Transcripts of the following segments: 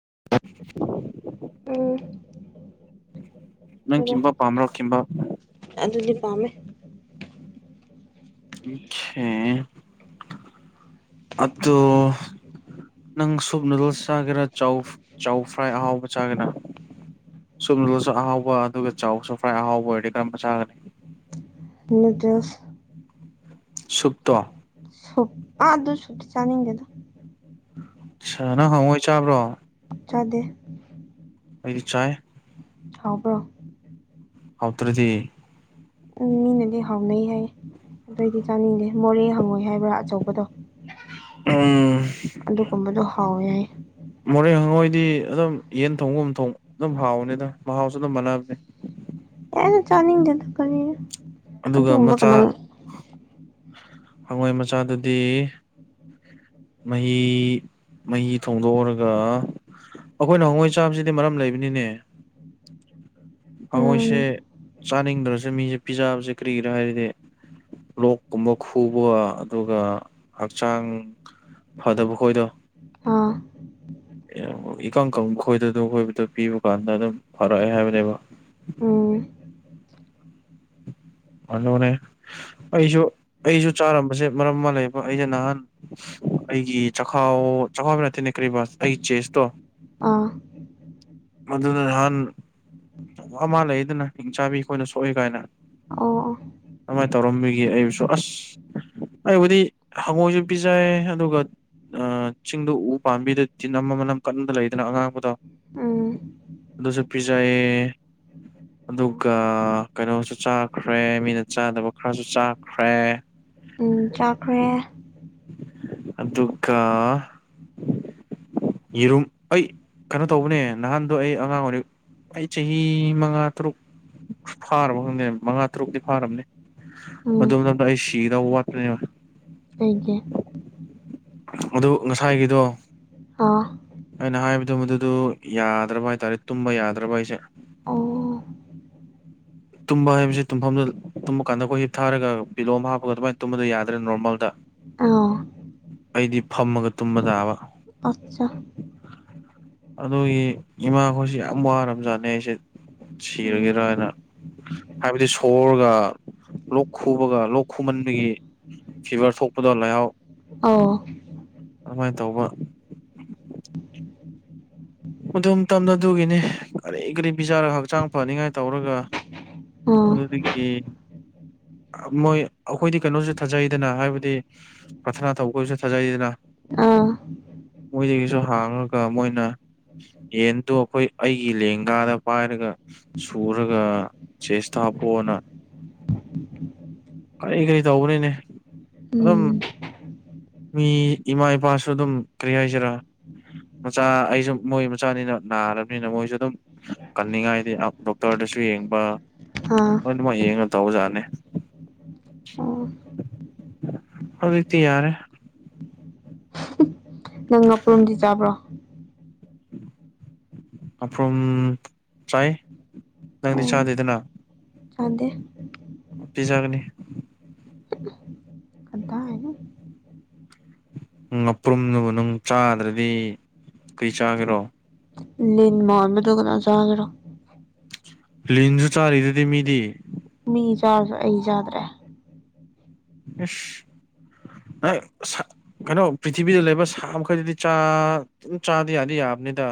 ꯑ ꯅꯪ ꯀꯤꯝꯕꯥꯕ ꯄꯥꯝꯕ꯭ꯔꯣ ꯀꯤꯝꯕꯥꯕ ꯑꯗꯨꯗꯤ ꯄꯥꯝꯃꯦ ꯄꯥꯝ ꯃꯦ ꯑꯗꯣ ꯅꯪ ꯁꯨꯞ ꯅꯨꯗꯜꯁ ꯆꯥꯒꯦꯔꯥ ꯆꯧ ꯆꯧ ꯐ꯭ꯔꯥꯏ ꯑꯍꯥꯎꯕ ꯆꯥꯒꯦꯔ ꯁꯨꯞꯁꯨ ꯑꯍꯥꯎꯕ ꯑꯗꯨꯒ ꯆꯧꯁꯨ ꯐ꯭ꯔꯥꯏ ꯑꯍꯥꯎꯕ ꯑꯣꯏꯔꯗꯤ ꯀꯔꯝꯕ ꯆꯥꯒꯅꯤ ꯅꯨꯗꯜꯁ ꯁꯨꯨꯞꯇꯣ ꯁꯨꯞ ꯑꯗꯨ ꯁꯨꯞ ꯆꯥꯅꯤꯡꯗꯦꯗ ꯑꯁ ꯅꯪ ꯍꯪꯉꯣꯏ ꯆꯥꯕ꯭ꯔꯣ ꯆꯥꯗꯦ ꯑꯩꯗꯤ ꯆꯥꯏ ꯍꯥꯎꯕ꯭ꯔꯣ ꯍꯥꯎꯇ꯭ꯔꯗꯤ ꯎꯝ ꯃꯤꯅꯗꯤ ꯍꯥꯎꯅꯩ ꯍꯥꯏꯌꯦ ꯑꯗꯨ ꯑꯣꯏꯗꯤ ꯆꯥꯅꯤꯡꯗꯦ ꯃꯣꯔꯦ ꯍꯪꯉꯣꯏ ꯍꯥꯏꯕ꯭ꯔꯥ ꯑꯆꯧꯕꯗꯣ ꯎꯝ ꯑꯗꯨꯒꯨꯝꯕꯗꯣ ꯍꯥꯎꯋꯦ ꯍꯥꯏꯌꯦ ꯗꯤ ꯑꯗꯨꯝ ꯌꯦꯟ ꯊꯣꯡꯒꯨꯝ ꯊꯣꯡ ꯑꯗꯨꯝ ꯍꯥꯎꯕꯅꯤꯗ ꯑꯗꯨꯝ ꯃꯍꯥꯎꯁꯨ ꯑꯗꯨꯝ ꯃꯥꯟꯅꯕꯅꯦ ꯑꯦ ꯆꯥꯅꯤꯡꯗꯦꯗ ꯀꯔꯤꯅꯣ ꯑꯗꯨꯒ ꯃꯆꯥ ꯍꯪꯉꯣꯏ ꯃꯆꯥꯗꯨꯗꯤ ꯃꯍꯤ ꯃꯍꯤ ꯊꯣꯡꯗꯣꯛꯎꯔꯒ ꯑꯩꯈꯣꯏꯅ ꯍꯪꯉꯣꯏ ꯆꯥꯕꯁꯤꯗꯤ ꯃꯔꯝ ꯂꯩꯕꯅꯤꯅꯦ ꯎꯝ ꯑꯩꯈꯣꯏꯁꯦ ꯆꯥꯅꯤꯡꯗ꯭ꯔꯁꯨꯦ ꯃꯤꯁꯦ ꯄꯤꯖꯥꯕꯁꯦ ꯀꯔꯤꯒꯤꯔꯥ ꯍꯥꯏꯔꯗꯤ ꯂꯣꯛꯀꯨꯝꯕ ꯈꯨꯕ ꯑꯗꯨꯒ ꯍꯛꯆꯥꯡ ꯐꯗꯕ ꯀꯣꯏꯗꯣ ꯑꯥ ꯏꯀꯪ ꯀꯪ ꯈꯣꯏꯗꯗ ꯈꯣꯏꯕꯗꯣ ꯄꯤꯕ ꯀꯥꯟꯗ ꯑꯗꯨꯝ ꯐꯔꯛꯑꯦ ꯍꯥꯏꯕꯅꯦꯕ ꯑꯣ ꯑꯗꯨꯅꯦ ꯑꯩꯁꯨ ꯑꯩꯁꯨ ꯆꯥꯔꯝꯕꯁꯦ ꯃꯔꯝ ꯑꯃ ꯂꯩꯕ ꯑꯩꯁꯦ ꯅꯍꯥꯟ ꯑꯩꯒꯤ ꯆꯈꯥꯎ ꯆꯈꯥꯎꯕ ꯅꯠꯇꯦꯅꯦ ꯀꯔꯤ ꯕꯥꯁ ꯑꯩꯒꯤ ꯆꯦꯁꯇꯣ ꯑꯥ ꯃꯗꯨꯅ ꯍꯥꯟ ꯑꯃꯥ ꯂꯩꯗꯅ ꯏꯆꯥꯕꯤ ꯑꯩꯈꯣꯏꯅ ꯁꯣꯛꯏ ꯀꯥꯏꯅ ꯑ ꯀꯃꯥꯏꯅ ꯇꯧꯔꯝꯃꯤꯒꯦ ꯑꯩꯕꯨꯁꯨ ꯑꯁ ꯑꯩꯕꯨꯗꯤ ꯍꯪꯉꯣꯏꯁꯨ ꯄꯤꯖꯩ ꯑꯗꯨꯒ ꯆꯤꯡꯗꯨ ꯎ ꯄꯥꯝꯕꯤꯗꯗꯤ ꯅꯝꯃ ꯃꯅꯝ ꯀꯟꯅꯗ ꯂꯩꯗꯅ ꯑꯉꯥꯡꯕꯗꯣ ꯎꯝ ꯑꯗꯨꯁꯨꯣ ꯄꯤꯖꯥꯌꯦ ꯑꯗꯨꯒ ꯀꯩꯅꯣꯁꯨ ꯆꯥꯈ꯭ꯔꯦ ꯃꯤꯅ ꯆꯥꯗꯕ ꯈꯔꯁꯨ ꯆꯥꯈ꯭ꯔꯦ ꯎ ꯆꯥꯈ꯭ꯔꯦ ꯑꯗꯨꯒ ꯌꯦꯔꯨꯝ ꯑꯩ ꯀꯩꯅꯣ ꯇꯧꯕꯅꯦ ꯅꯍꯥꯟꯗꯣ ꯑꯩ ꯑꯉꯥꯡ ꯑꯣꯏꯔꯤ ꯑꯩ ꯆꯍꯤ ꯃꯉꯥ ꯇꯔꯨꯛ ꯐꯥꯔꯕ ꯈꯪꯗꯦ ꯃꯉꯥ ꯇꯔꯨꯛꯇꯗꯤ ꯐꯥꯔꯕꯅꯦ ꯎꯝ ꯑꯗꯨ ꯃꯇꯝꯗ ꯑꯩ ꯁꯤꯗꯕ ꯋꯥꯠꯄꯅꯦꯕ ꯑꯩꯒꯤꯦ ꯑꯗꯨ ꯉꯁꯥꯏꯒꯤꯗꯣ ꯑꯥ ꯑꯩꯅ ꯍꯥꯏꯕꯗꯨꯣ ꯃꯗꯨꯗꯨ ꯌꯥꯗ꯭ꯔꯕ ꯍꯥꯏꯇꯥꯔꯦ ꯇꯨꯝꯕ ꯌꯥꯗ꯭ꯔꯕ ꯍꯥꯏꯁꯦ ꯑꯣ ꯇꯨꯝꯕ ꯍꯥꯏꯕꯁꯤꯦ ꯇꯨꯝꯐꯝꯗ ꯇꯨꯝꯕ ꯀꯥꯟꯗ ꯑꯩꯈꯣꯏ ꯍꯤꯞ ꯊꯥꯔꯒ ꯕꯤꯂꯣꯝ ꯍꯥꯞꯄꯒ ꯑꯗꯨꯃꯥꯏꯅ ꯇꯨꯝꯕꯗ ꯌꯥꯗ꯭ꯔꯦ ꯅꯣꯔꯃꯦꯜꯗ ꯑ ꯑꯩꯗꯤ ꯐꯝꯃꯒ ꯇꯨꯝꯕ ꯇꯥꯕ ꯑꯠꯆꯥ ꯑꯗꯨꯒꯤ ꯏꯃꯥꯈꯣꯏꯁꯤ ꯌꯥꯝ ꯋꯥꯔꯝꯖꯥꯠꯅꯦ ꯑꯩꯁꯦ ꯁꯤꯔꯒꯦꯗꯔꯥ ꯎꯝ ꯍꯥꯏꯅ ꯍꯥꯏꯕꯗꯤ ꯁꯣꯔꯒ ꯂꯣꯛ ꯈꯨꯕꯒ ꯂꯣꯛ ꯈꯨꯃꯟꯕꯒꯤ ꯐꯤꯚꯔ ꯊꯣꯛꯣꯛꯄꯗꯣ ꯂꯥꯎ ꯑꯣ ꯑꯗꯨꯃꯥꯏꯅ ꯇꯧꯕ ꯑꯗꯨꯝ ꯇꯝꯅꯗꯨꯒꯤꯅꯤ ꯀꯔꯤ ꯀꯔꯤ ꯄꯤꯖꯥꯔꯒ ꯍꯛꯆꯥꯡ ꯐꯅꯤꯉꯥꯏ ꯇꯧꯔꯒ ꯑꯗꯨꯗꯤꯗꯒꯤ ꯎꯝ ꯃꯣꯏ ꯑꯩꯈꯣꯏꯗꯤ ꯀꯩꯅꯣꯁꯨ ꯊꯥꯖꯩꯗꯅ ꯍꯥꯏꯕꯗꯤ ꯄ꯭ꯔꯊꯅꯥ ꯇꯧꯕꯁꯨ ꯊꯥꯖꯩꯗꯅ ꯑꯥ ꯃꯣꯏꯗꯒꯤꯁꯨ ꯍꯥꯡꯉꯒ ꯃꯣꯏꯅ ꯌꯦꯟꯗꯣ ꯑꯩꯈꯣꯏ ꯑꯩꯒꯤ ꯂꯦꯡꯒꯥꯗ ꯄꯥꯏꯔꯒ ꯁꯨꯔꯒ ꯆꯦꯁ ꯇ ꯄꯅ [unintelligible] ꯀꯔꯤ ꯀꯔꯤ ꯇꯧꯕꯅꯤꯅꯦ ꯑꯗꯨꯝ ꯎꯝ ꯃꯤ ꯏꯃꯥ ꯏꯄꯥꯁꯨ ꯑꯗꯨꯝ ꯀꯔꯤ ꯍꯥꯏꯁꯤꯔꯥ ꯃꯆꯥ ꯑꯩꯁꯨ ꯃꯣꯏ ꯃꯆꯥꯅꯤꯅ ꯅꯥꯔꯕꯅꯤꯅ ꯃꯣꯏꯁꯨ ꯑꯗꯨꯝ ꯀꯟꯅꯤꯡꯉꯥꯏꯗꯤ ꯗꯣꯛꯇꯔꯗ ꯨ ꯌꯦꯡꯕ ꯑꯥ ꯇꯧꯖꯥꯠꯅꯤ ꯑꯣ ꯍꯧꯖꯤꯛꯇ ꯌꯥꯔꯦ ꯅꯪ ꯉꯄꯔꯨꯝꯗꯤ ꯆꯥꯕ꯭ꯔꯣ ꯑꯐ꯭ꯔꯨꯝ ꯆꯥꯏ ꯅꯪꯗꯤ ꯆꯥꯗꯦꯗꯅ ꯆꯥꯟꯗꯦ ꯄꯤꯤꯖꯒꯅꯤ ꯀꯗꯥꯏꯅꯣ ꯑꯄ꯭ꯔꯨꯝꯗꯨꯕꯨ ꯅꯨꯡ ꯆꯥꯗ꯭ꯔꯗꯤ ꯀꯩ ꯆꯥꯒꯦꯔꯣ ꯂ ꯃꯣꯍꯗꯒꯅꯖꯥꯗ꯭ꯔꯣ ꯂꯤꯟꯁꯨ ꯆꯥꯔꯤꯗꯨꯗꯤ ꯃꯤꯗꯤ ꯃꯤ ꯌꯥ ꯑꯩ ꯌꯥꯗ ꯔꯦ ꯑ ꯀꯩꯅꯣ ꯄ꯭ꯔꯤꯊꯤꯕꯤꯗ ꯂꯩꯕ ꯁꯥ ꯃꯈꯩꯗꯗꯤ ꯆꯥ ꯑꯗꯨꯝ ꯆꯥꯗꯤ ꯌꯥꯗꯤ ꯌꯥꯕꯅꯤꯗ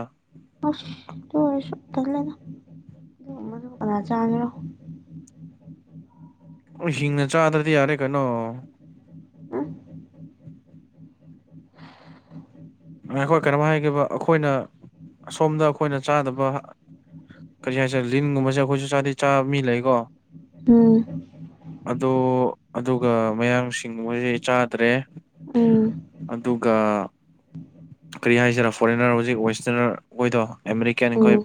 ꯑ ꯇ ꯑꯣꯏꯔ ꯁ ꯇ ꯂꯩꯗ ꯃꯗꯨ ꯀꯅꯥ ꯆꯥꯒꯣ ꯑꯣ ꯍꯤꯡꯅ ꯆꯥꯗ꯭ꯔꯗꯤ ꯌꯥꯔꯦ ꯀꯩꯅꯣ ꯑꯩꯈꯣꯏ ꯀꯩꯅꯣꯝ ꯍꯥꯏꯈꯤꯕ ꯑꯩꯈꯣꯏꯅ ꯑꯁꯣꯝꯗ ꯑꯩꯈꯣꯏꯅ ꯆꯥꯗꯕ ꯀꯔꯤ ꯍꯥꯏꯁꯦ ꯂꯤꯟꯒꯨꯝꯕꯁꯦ ꯑꯩꯈꯣꯏꯁꯨ ꯆꯥꯗꯤ ꯆꯥꯕ ꯃꯤ ꯂꯩꯀꯣ [unintelligible] ꯑꯗꯣ ꯑꯗꯨꯒ ꯃꯌꯥꯡꯁꯤꯡ ꯃꯣꯏꯁꯦ ꯆꯥꯗ꯭ꯔꯦ ꯑꯗꯨꯒ ꯎꯝ ꯀꯔꯤ ꯍꯥꯏꯁꯤꯔꯥ ꯐꯣꯔꯦꯟꯅꯔ ꯍꯧꯖꯤꯛ ꯋꯦꯁꯇꯔꯅꯔ ꯈꯈꯣꯏꯗꯣ ꯑꯃꯦꯔꯤꯀꯦꯟ ꯈꯣꯏ ꯎꯝ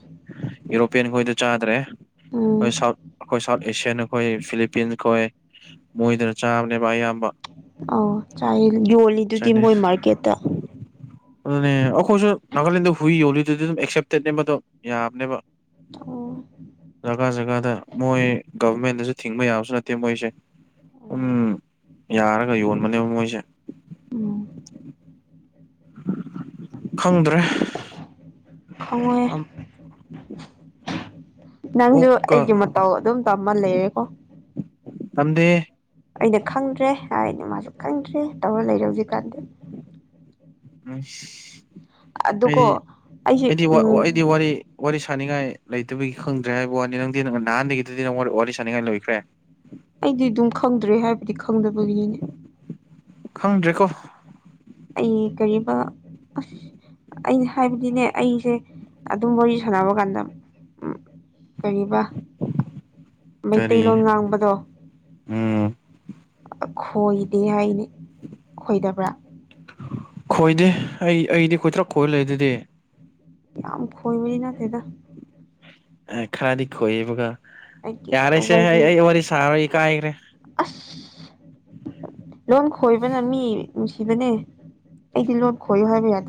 ꯌꯨꯔꯣꯄ꯭ꯌꯟ ꯈꯣꯏꯗꯣ ꯆꯥꯗꯕ ꯔꯦ ꯎꯝ ꯑꯩꯣꯏ ꯁꯥꯎꯠ ꯑꯩꯈꯣꯏ ꯁꯥꯎꯠ ꯑꯦꯁꯤꯌꯥꯟ ꯑꯩꯈꯣꯏ ꯐꯤꯂꯤꯄꯤꯟꯁꯈꯣꯏ ꯃꯣꯏꯗꯅ ꯆꯥꯕꯅꯦꯕꯚ ꯑꯌꯥꯝꯕ ꯑꯧ ꯌꯣꯜꯂꯤꯗꯨꯗꯤ ꯆꯥꯏꯅꯤꯁ ꯃꯣꯏ ꯃꯥꯔꯀꯦꯠꯇ ꯑꯗꯨꯅꯦ ꯑꯩꯈꯣꯏꯁꯨ ꯅꯥꯒꯥꯂꯦꯟꯗ ꯍꯨꯏ ꯌꯣꯜꯂꯤꯗꯨꯗꯤ ꯑꯗꯨꯝ ꯑꯦꯛꯁꯦꯞꯇꯦꯠꯅꯦꯕꯗꯣ ꯌꯥꯕꯅꯦꯕ ꯑꯣ ꯖꯒꯥ ꯖꯒꯥꯗ ꯃꯣꯏ ꯒꯚꯔꯃꯦꯟꯗꯁꯨ ꯊꯤꯡꯕ ꯌꯥꯕꯁꯨ ꯅꯠꯇꯦ ꯃꯣꯏꯁꯦ ꯎꯝ ꯌꯥꯔꯒ ꯌꯣꯟꯕꯅꯦꯕ ꯃꯣꯏꯁꯦ [unintelligible] ꯈꯪꯗ꯭ꯔꯦ ꯁꯣꯏ ꯑꯝ ꯅꯪꯁꯨ ꯑꯣꯛꯀ ꯑꯩꯒꯤ ꯃꯇꯧ ꯑꯗꯨꯝ ꯇꯃ ꯂꯩꯔꯦꯀꯣ ꯇꯗꯦ ꯑꯩꯅ ꯈꯪꯗ꯭ꯔꯦ ꯍꯥꯏꯗꯤ ꯃꯥꯁꯨ ꯈꯪꯗ꯭ꯔꯦ ꯇꯧꯔ ꯂꯩꯔꯦ ꯍꯧꯖꯤꯛꯀꯥꯟꯗꯤ ꯎꯝ ꯑꯗꯨꯀꯣ ꯑꯩꯗꯤ ꯑꯩꯁꯦ ꯑꯩꯗꯤ ꯎꯝ ꯑꯩꯗꯤ ꯋꯥꯔꯤ ꯋꯥꯔꯤ ꯁ ꯁꯅꯤꯡꯉꯥꯏ ꯂꯩꯇꯕꯒꯤ ꯈꯪꯗ꯭ꯔꯦ ꯍꯥꯏꯕ ꯋꯥꯅꯤ ꯅꯪꯗꯤ ꯅ ꯅꯍꯥꯟꯗꯒꯤꯗꯨꯗꯤ ꯅꯪ ꯋꯥꯔꯤ ꯁꯅꯤꯡꯉꯥꯏ ꯂꯩꯣꯏꯈ꯭ꯔꯦ ꯑꯩꯗꯤ ꯑꯗꯨꯝ ꯈꯪꯗ꯭ꯔꯦ ꯍꯥꯏꯕꯗꯤ ꯈꯪꯗꯕꯒꯤꯅꯤꯅꯤ ꯈꯪꯗ꯭ꯔꯦꯀꯣ ꯑꯩ ꯀꯔꯤꯃ ꯑꯁ ꯑꯩꯅ ꯍꯥꯏꯕꯗꯤꯅꯦ ꯑꯩꯁꯦ ꯑꯗꯨꯝ ꯋꯥꯔꯤ ꯁꯥꯟꯅꯕ ꯀꯥꯟꯗ ꯎꯝ ꯀ ꯃꯩꯇꯩꯂꯣꯟ ꯀꯔꯤ ꯉꯥꯡꯕꯗꯣ ꯎꯝ ꯈꯣꯏꯗꯤ ꯍꯥꯏꯅꯦ [unintelligible] ꯏꯗꯔ ꯄ ꯈꯣꯏꯗꯦ ꯑꯩ ꯑꯩꯗꯤ ꯀꯣꯏꯇ꯭ꯔꯛ ꯈꯣꯏꯂ ꯑꯗꯨꯗꯤ ꯌꯥꯝ ꯌꯥꯝ ꯐꯣꯏꯕꯅꯤꯅ ꯊꯗ ꯑ ꯈꯔꯗꯤꯈꯣꯏꯕꯒ ꯌꯥꯔꯦꯁꯦ ꯍ ꯑꯩ ꯋꯥꯔꯤ ꯁꯥꯔꯣꯏ ꯀꯥꯏꯈ꯭ꯔꯦ ꯑꯁ ꯂꯣꯟ ꯈꯣꯏꯕꯅ ꯃꯤ ꯅꯨꯡꯁꯤꯕꯅꯦ ꯑꯩꯗꯤ ꯂꯣꯟ ꯈꯣꯏꯌꯨ ꯍꯥꯏꯕ ꯌꯥꯗꯦ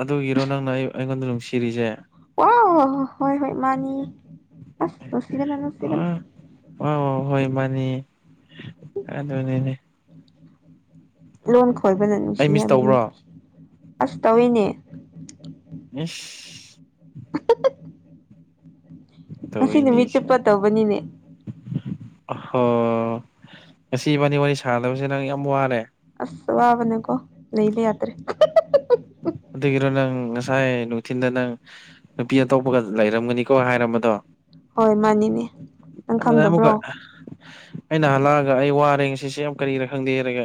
ꯑꯗꯨꯒꯤꯔꯣ ꯅꯪꯅ ꯑꯩ ꯑꯩꯉꯣꯟꯗ ꯅꯨꯡꯁꯤꯔꯤꯁꯦ ꯑꯣ ꯍꯣꯏ ꯍꯣꯏ ꯃꯥꯅꯤ ꯄ ꯁꯤꯒ ꯅꯁꯤꯒ ꯑ ꯍꯣꯏ ꯃꯥꯅꯤ ꯑꯗꯨ ꯑꯗꯨꯅꯦ ꯂꯣꯟ ꯈꯣꯏꯕꯅ ꯑꯩ ꯅꯨꯡꯁꯤ ꯃꯤꯁ ꯍꯥꯏꯕꯗꯨ ꯇꯧꯕ꯭ꯔꯣ ꯁꯤ ꯑꯁ ꯇꯧꯏꯤꯅꯦ ꯎꯝ ꯉ ꯅꯨꯃꯤꯠ ꯆꯨꯞꯄ ꯇꯧꯏꯅꯦꯁꯤꯅꯦ ꯇꯧꯕꯅꯤꯅꯦ ꯍꯣ ꯉꯁꯤ ꯋꯥꯔꯤꯅꯤ ꯋꯥꯔꯤ ꯁꯥꯟꯗꯁ ꯅꯪ ꯌꯥꯝ ꯋꯥꯔꯦ ꯑꯁ ꯋꯥꯕꯅꯦ ꯀꯣ ꯅꯕ ꯌꯥꯇꯦ ꯑꯗꯨꯗꯒꯤ ꯏꯔꯣ ꯅꯪ ꯉꯁꯥꯏ ꯅꯨꯡꯊꯤꯟꯗ ꯅꯪ ꯅꯨꯄꯤ ꯑꯇꯣꯞꯄꯒ ꯂꯩꯔꯝꯒꯅꯤꯀꯣ ꯍꯥꯏꯔꯝꯕꯗꯣ ꯍꯣꯏ ꯃꯥꯅꯤꯅꯦ ꯅꯪ ꯑꯨꯀ ꯈꯪꯗꯕ꯭ꯔꯣ ꯑꯩꯅ ꯍꯜꯂꯛꯑꯒ ꯑꯩ ꯋꯥꯔꯦ ꯁꯤꯁꯦ ꯌꯥꯝ ꯀꯔꯤꯅ ꯈꯪꯗꯦ ꯍꯥꯏꯔꯒ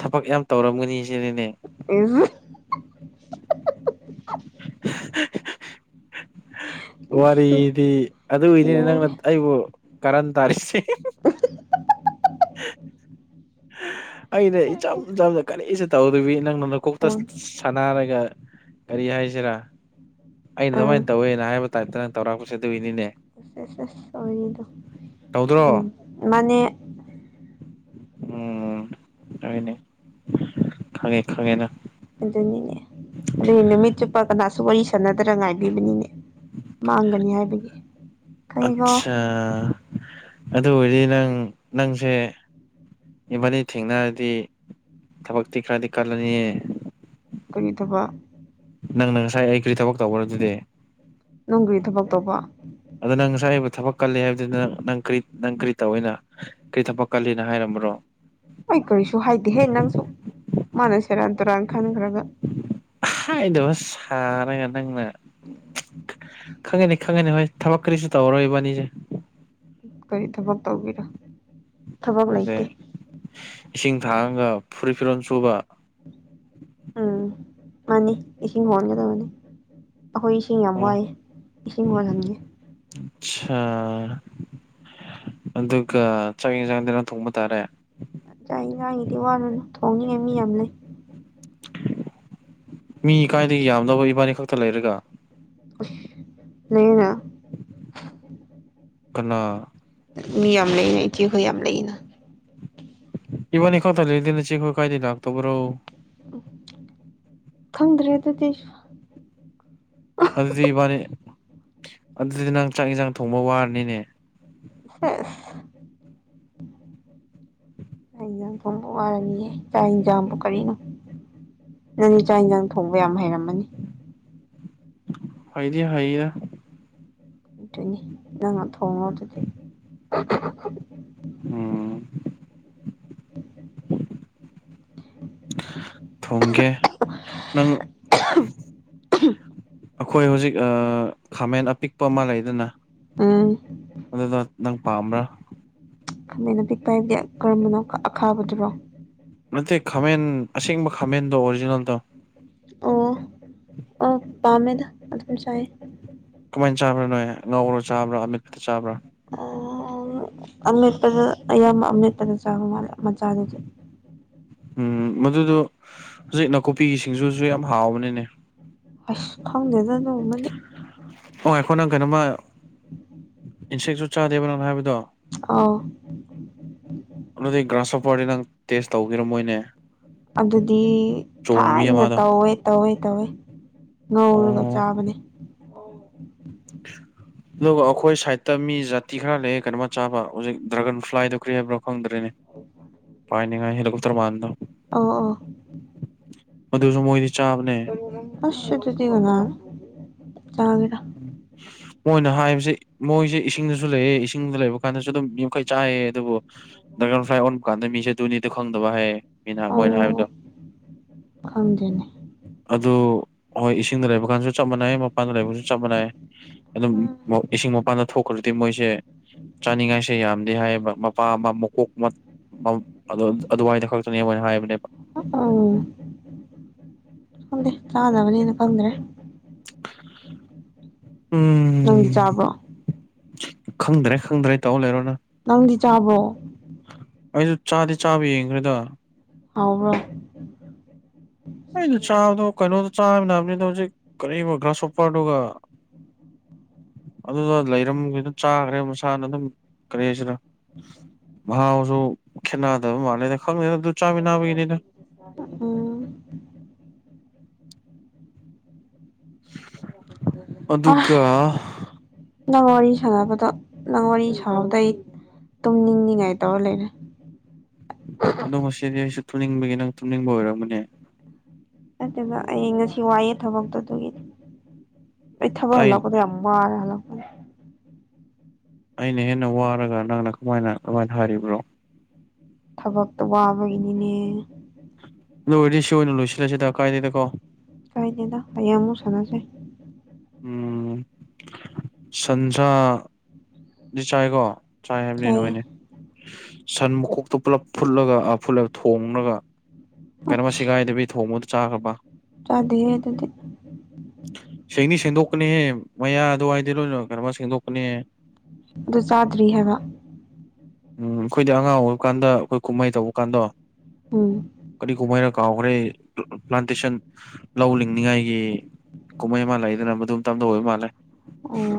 ꯊꯕꯛ ꯌꯥꯝ ꯇꯧꯔꯝꯒꯅꯤ ꯁꯤꯅꯅꯦ ꯏ ꯋꯥꯔꯤꯗꯤ ꯑꯗꯨꯏꯅꯤꯅꯦ ꯅꯪꯅ ꯂꯣꯏꯔꯦ ꯑꯩꯕꯨ ꯀꯔꯟ ꯇꯥꯔꯤꯁꯤꯦ ꯑꯩꯅ ꯏꯆꯝ ꯆꯝꯅ ꯀꯔꯤꯁꯦ ꯇꯧꯗꯕꯤ ꯅꯪꯅ ꯂꯧꯀꯣꯛꯇ ꯑꯥ ꯁꯥꯟꯅꯔꯒ ꯀꯔꯤ ꯍꯥꯏꯁꯤꯔꯥ ꯑꯩꯅ ꯑꯥ ꯑꯗꯨꯃꯥꯏꯅ ꯇꯧꯋꯦꯅ ꯍꯥꯏꯕ ꯇꯥꯏꯞꯇ ꯅꯪ ꯇꯧꯔꯛꯄꯁꯦ ꯑꯗꯨꯏꯅꯤꯅꯦ ꯁꯦꯁꯦ ꯁꯅꯣ ꯇꯧꯗ꯭ꯔꯣ ꯎꯝ ꯃ ꯎꯝꯅꯦ ꯈꯉꯦ ꯈꯉꯦꯅ ꯑꯗꯨꯅꯤꯅꯦ ꯑꯗꯨꯗꯤ ꯅꯨꯃꯤꯠ ꯆꯨꯞꯄ ꯀꯅꯥꯁꯨ ꯋꯥꯔꯤ ꯁꯥꯟꯅꯗꯅ ꯉꯥꯏꯕꯤꯕꯅꯤꯅꯦ ꯃꯥꯡꯒꯅꯤ ꯍꯥꯏꯕꯒꯤ ꯀꯩꯒꯣ ꯑꯠꯁꯥ ꯑꯗꯨ ꯑꯣꯏꯔꯗꯤ ꯅꯪ ꯅꯪꯁꯦ ꯏꯃꯜꯅꯤ ꯊꯦꯡꯅꯔꯗꯤ ꯊꯕꯛꯇꯤ ꯈꯔꯗꯤ ꯀꯜꯂꯅꯤꯌꯦ ꯀꯔꯤꯗꯕ ꯅꯪꯅ ꯉꯁꯥꯏ ꯑꯩ ꯀꯔꯤ ꯊꯕꯛ ꯇꯧꯈ꯭ꯔ ꯑꯗꯨꯗꯤ ꯅꯪꯒꯤꯒꯤ ꯊꯕꯛ ꯇꯧꯕ ꯀꯜꯂꯤ ꯍꯥꯏꯕꯗꯨꯅ ꯅꯪ ꯀꯔꯤ ꯅꯪ ꯀꯔꯤ ꯇꯧꯏꯦꯅ ꯀꯔꯤ ꯊꯕꯛ ꯀꯜꯂꯤꯅ ꯍꯥꯏꯔꯝꯕꯔꯣ ꯍꯣꯏ ꯀꯔꯤꯁꯨ ꯍꯥꯏꯗꯦꯍꯦ ꯅꯪꯁꯨ ꯃꯥꯅ ꯁꯦꯔꯥꯟ ꯇꯨꯔꯥꯟ ꯈꯟꯈ꯭ꯔꯒ ꯍꯥꯏꯗꯕ ꯁꯥꯔꯉ ꯅꯪꯅ ꯈꯪ ꯈꯪꯉꯅꯤ ꯍꯣꯏ ꯊꯕꯛ ꯀꯔꯤꯁꯨ ꯇꯧꯔꯔꯣꯏ ꯏꯕꯥꯅꯤꯁꯦ ꯀꯔꯤ ꯊꯕꯛ ꯇꯧꯕꯤꯔꯣ ꯑꯗꯨꯗ ꯏꯁꯤꯡ ꯊꯥꯡꯉꯒ ꯐꯨꯔꯤꯠ ꯐꯤꯔꯣꯜ ꯁꯨꯕ ꯎꯝ ꯃꯥꯅꯤ ꯏꯁꯤꯡ ꯍꯟꯒꯗ ꯃꯅꯤ ꯑꯩꯈꯣꯏ ꯏꯁꯤꯡ ꯌꯥꯝ ꯑꯣ ꯋꯥꯏꯦ ꯏꯁꯤꯡ ꯋꯥꯜꯍꯟꯒꯦ ꯑ ꯑꯗꯨꯒ ꯆꯪꯌꯦ ꯆꯪꯗꯅ ꯊꯣꯡꯕ ꯇꯥꯔꯦ ꯑꯩꯉꯥꯡꯒꯤꯗꯤ ꯋꯥꯅ ꯊꯣꯡꯅꯤꯡꯉꯥꯏ ꯃꯤ ꯌꯥꯝ ꯂꯩ ꯃꯤ ꯀꯥꯏꯗꯒꯤ ꯌꯥꯝꯗꯕ ꯏꯕꯥꯅꯤ ꯈꯛꯇ ꯂꯩꯔꯒ ꯅꯅ ꯀꯅꯥ ꯃꯤ ꯌꯥꯝ ꯂꯩꯅ ꯏꯆꯦꯈꯣꯏ ꯌꯥꯝ ꯂꯩꯔꯤꯅ ꯏꯕꯅꯤ ꯀꯣ ꯇꯅ ꯆꯦꯛꯈꯣꯏ ꯀꯥꯏꯗ ꯂꯥꯛ ꯇꯕꯨꯔꯣ ꯎ ꯈꯪꯗ꯭ꯔꯦ ꯑꯗꯨꯗꯤ ꯑꯗꯨꯗꯤ ꯏꯕꯥꯅꯤ ꯑꯗꯨꯗꯤ ꯅꯪ ꯆꯥꯛ ꯏꯟꯁꯥꯡ ꯊꯣꯡꯕ ꯋꯥꯔꯅꯤꯅꯦ ꯐꯁ ꯑꯩ ꯏꯟꯖꯥꯡ ꯊꯨꯝꯕ ꯋꯥꯔꯅꯤꯌꯦꯦ ꯆꯥꯛ ꯏꯟꯖꯥꯕꯨ ꯀꯔꯤꯅꯣ ꯅꯪ ꯏꯆꯥꯥꯛ ꯏꯟꯁꯥꯡ ꯊꯣꯡꯕ ꯌꯥꯝ ꯍꯩꯔꯝꯃꯅꯤ ꯍꯥꯏꯗꯤ ꯍꯥꯏꯔ ꯇꯣꯏꯅꯤ ꯅꯪꯅ ꯊꯣꯡꯉꯣ ꯑꯗꯨꯗꯤ ꯎꯝ ꯎꯝ ꯎ ꯎꯝ ꯎꯝ ꯎꯝ ꯎ ꯊꯣꯡꯒꯦ ꯅꯪ ꯑꯩꯈꯣꯏ ꯍꯧꯖꯤꯛ ꯈꯥꯃꯦꯟ ꯑꯄꯤꯛꯄ ꯑꯃ ꯂꯩꯗꯅ ꯎꯝ ꯄꯥꯝꯕ꯭ꯔ ꯈꯃꯩꯅ ꯄꯤꯛꯄ ꯍꯥꯏꯕꯗꯤ ꯀꯔꯝꯕꯅꯣ ꯑꯈꯥꯕꯗꯨꯔꯣ ꯅꯠꯇꯦ ꯈꯥꯃꯦꯟ ꯑꯁꯦꯡꯕ ꯈꯥꯃꯦꯟꯗꯣ ꯑꯣꯔꯤꯖꯤꯅꯦꯜꯗꯣ ꯑꯣ ꯑ ꯄꯥꯝꯃꯦꯗ ꯑꯗꯨ ꯆꯥꯏꯦ ꯀꯃꯥꯏꯅ ꯆꯥꯕ꯭ꯔꯥ ꯅꯣꯏ ꯉꯧꯔꯣ ꯆꯥꯕ꯭ꯔꯥ ꯑꯃꯤꯠꯇ ꯆꯥꯕ꯭ꯔꯥ ꯑ ꯑꯄꯗ ꯑ ꯑꯃꯤꯄꯗꯁꯨꯒ ꯃꯥꯂ ꯃꯆꯥꯗ ꯆꯠ ꯎꯝ ꯃꯗꯨꯗꯣ ꯍꯧꯖꯤꯛ ꯅꯥꯀꯨꯞꯄꯤꯒꯤ ꯁꯤꯡꯖꯁꯨ ꯌꯥꯝ ꯍꯥꯎꯕꯅꯤꯅꯦ ꯑꯁ ꯊꯥꯎꯪꯗꯦꯗ ꯑꯗꯨꯣ ꯃꯅꯤ ꯑꯣ ꯑꯩꯈꯣ ꯅꯪ ꯀꯩꯅꯣꯝꯃ ꯏꯟꯁꯦꯛꯁꯨ ꯆꯥꯗꯦꯕ ꯅꯪ ꯍꯥꯏꯕꯗꯣ ꯑꯥꯎ ꯑꯗꯨꯗꯤ ꯒ꯭ꯔꯥꯁꯣꯄꯔꯗꯤ ꯅꯪ ꯇꯦꯁ ꯇꯧꯈꯤꯔꯝ ꯃꯣꯏꯅꯦ ꯑꯗꯨꯗꯤ ꯊꯥꯏꯅ ꯑꯃꯗꯣ ꯇꯧꯋꯦ ꯇꯧꯋꯦ ꯇꯧꯋꯦ ꯉꯧꯔꯒ ꯑꯣ ꯆꯥꯕꯅꯦ ꯑꯗꯨꯒ ꯑꯩꯈꯣꯏ ꯁꯥꯏꯗꯠꯇ ꯃꯤ ꯖꯥꯇꯤ ꯈꯔ ꯂꯩ ꯀꯩꯅꯣꯃ ꯆꯥꯕ ꯍꯧꯖꯤꯛ ꯗ꯭ꯔꯥꯒꯟ ꯐ꯭ꯂꯥꯏꯗꯨꯣ ꯀ꯭ꯔꯤ ꯍꯥꯏꯕ꯭ꯔꯣ ꯐꯪꯗ꯭ꯔꯤꯅꯦ ꯄꯥꯏꯅꯤꯉꯥꯏ ꯍꯦꯂꯤꯀꯣꯞꯇꯔ ꯃꯥꯟꯗꯣ ꯑ ꯑ ꯃꯁꯨ ꯑꯁ ꯑꯗꯨꯗꯤꯤꯒꯅꯥ ꯆꯒꯦꯔ ꯃꯣꯏꯅ ꯍꯥꯏꯕꯁꯦ ꯃꯣꯏꯁꯦ ꯏꯁꯤꯡꯗꯁꯨ ꯂꯩꯌꯦꯦ ꯏꯁꯤꯡꯗ ꯂꯩꯕ ꯀꯥꯟꯗꯁꯨ ꯑꯗꯨꯝ ꯌꯥꯈꯩ ꯆꯥꯏꯑꯌꯦ ꯑꯗꯨꯕꯨ ꯗꯔꯒꯔꯟ ꯐ꯭ꯂꯥꯏ ꯑꯣꯟꯕ ꯀꯥꯟꯗ ꯃꯤꯁꯦ ꯑꯗꯨꯅꯤꯗꯣꯪꯕ ꯍꯥꯏꯌꯦ ꯃꯤꯅ ꯑ ꯃꯣꯏꯅ ꯍꯥꯏꯕꯗꯣ ꯈꯪꯖꯅꯦ ꯑꯗꯨ ꯍꯣꯏ ꯏꯁꯤꯡꯗ ꯂꯩꯕ ꯀꯥꯟꯁꯨ ꯆꯞ ꯃꯥꯟꯅꯩ ꯃꯄꯥꯟꯗ ꯂꯩꯕꯁꯨ ꯆꯞ ꯑꯗꯨꯝ ꯎꯝ ꯏꯁꯤꯡ ꯃꯄꯥꯟꯗ ꯊꯣꯛꯈ꯭ꯔꯗꯤ ꯃꯣꯏꯁꯦ ꯆꯥꯅꯤꯡꯉꯥꯏꯁꯦ ꯌꯥꯝꯗꯦ ꯍꯥꯏꯌꯦꯕ ꯃꯄꯥ ꯑꯃ ꯃꯀꯣꯛ ꯑꯗꯨꯃꯥꯏꯗ ꯈꯛꯇꯅꯦꯣꯏꯅ ꯍꯥꯏꯕꯅꯦ ꯍꯗꯦ ꯆꯗꯕꯅꯤ ꯌꯦꯅ ꯀꯗ꯭ꯔꯦ ꯍ ꯎꯝ ꯆꯥꯕꯣ ꯈꯪꯗ꯭ꯔꯦ ꯈꯪꯗ꯭ꯔꯦ ꯇꯧ ꯂꯩꯔꯣꯅ ꯅꯪ ꯆꯥꯕꯣ ꯑꯩꯁꯨ ꯆꯥꯗꯤꯦ ꯆꯥꯕ ꯌꯦꯡꯈ꯭ꯔꯦꯗ ꯑꯕ ꯑꯩꯩꯅ ꯆꯥꯗꯣ ꯀꯩꯅꯣ ꯆꯥꯕ ꯅꯥꯕꯅꯤꯗ ꯍꯧꯖꯤꯛ ꯀ ꯒ꯭ꯔꯥꯁ ꯑꯣꯣꯄꯔꯗꯨ ꯑꯗꯨꯗ ꯂꯩꯔꯝꯅ ꯆꯥꯈ꯭ꯔꯦ ꯃꯁꯥꯅ ꯑꯗꯨꯝ ꯀꯔꯤꯁꯤꯔ ꯃꯍꯥꯎꯁꯨ ꯈꯦꯠꯅꯗꯕ ꯃꯥꯟꯂꯩꯗ ꯈꯪꯗꯦꯅ ꯎꯝ ꯑ ꯑꯗꯨꯒ ꯅꯪ ꯋꯥꯔꯤ ꯁꯥꯟꯅꯕꯗꯣ ꯅꯪ ꯋꯥꯔꯤ ꯁꯥꯟꯍꯧꯗꯩ ꯇꯨꯝ ꯅꯤꯡꯅꯤꯉꯥꯏ ꯇꯧ ꯂꯩꯔꯦ ꯑꯗꯣ ꯉꯗꯤ ꯑꯩꯁꯨ ꯊꯨꯝꯅꯤꯡꯕꯒꯤ ꯅꯪ ꯊꯨꯝꯅꯤꯡꯕ ꯑꯣꯏꯔꯝꯕꯅꯦ ꯅꯠꯇꯅ ꯑꯩ ꯉꯁꯤ ꯋꯥꯏꯌꯦ ꯊꯕꯛꯇꯣ ꯑꯗꯨꯒꯤꯗꯤ ꯄꯩ ꯊꯕ ꯑꯩ ꯍꯜꯂꯛ ꯀ ꯑ ꯑꯃꯝꯕꯥꯔ ꯍꯜꯂꯣ ꯑꯩꯅ ꯍꯦꯟꯅ ꯋꯥꯔꯒ ꯅꯪꯅ ꯀꯃꯥꯏꯅ ꯀꯃꯥꯏꯅ ꯍꯥꯏꯔꯤꯕ꯭ꯔꯣ ꯊꯕꯛꯇꯣ ꯋꯥꯕꯒꯤꯅꯤꯅꯦ ꯂꯣꯏꯔ ꯁꯤ ꯑꯣꯏꯅ ꯂꯣꯏꯁꯤꯜꯂꯁꯤꯗ ꯀꯥꯏꯅꯤꯗꯀꯣ ꯀꯥꯏꯅꯤꯗ ꯑꯩꯌꯥꯃꯨꯛ ꯁꯥꯟꯅꯁꯦ ꯎꯝ ꯁꯟꯁꯥꯗꯤ ꯆꯥꯏꯀꯣ ꯆꯥꯏ ꯍꯥꯏꯕꯅꯤ ꯆꯥꯏꯌꯦ ꯅꯣꯏꯅꯦ ꯁꯟ ꯃꯈꯣꯛꯇꯣ ꯄꯨꯜꯂꯞ ꯐꯨꯠꯂꯒ ꯐꯨꯠꯂꯒ ꯊꯣꯉꯒ ꯀꯩꯅꯣꯃ ꯁꯤꯦꯒꯥꯏꯗꯕꯤ ꯊꯣꯡꯉꯨꯗ ꯆꯥꯈ꯭ꯔꯕ ꯆꯗꯦ ꯑꯗꯨꯗꯤ ꯁꯦꯡꯅꯤ ꯁꯦꯡꯗꯣꯛꯀꯅꯤꯍꯦ ꯃꯌꯥ ꯑꯗꯨꯋꯥꯏꯗ ꯂꯣꯏꯅ ꯀꯩꯅꯝꯃ ꯁꯦꯡꯗꯣꯛꯀꯅꯤꯍꯦ ꯑꯗꯨ ꯆꯥꯗ꯭ꯔꯤ ꯍꯥꯏꯕ ꯎꯝ ꯑꯩꯈꯣꯏꯗꯤ ꯑꯉꯥꯡ ꯑꯣꯏꯕ ꯀꯥꯟꯗ ꯑꯩꯈꯣꯏ ꯀꯨꯝꯍꯩ ꯇꯧꯕ ꯀꯥꯟꯗꯣ ꯎꯝ ꯀꯔꯤ ꯀꯨꯝꯍꯩꯔ ꯀꯥꯎꯈ꯭ꯔꯦ ꯄ꯭ꯂꯥꯟꯇꯦꯁꯟ ꯂꯧ ꯂꯤꯡꯅꯤꯉꯥꯏꯒꯤ ꯀꯨꯝꯍꯩ ꯑꯃ ꯂꯩꯗꯅ ꯃꯗꯨꯝ ꯇꯝꯗ ꯑꯣꯏꯕ ꯃꯥꯜꯂꯦ ꯑ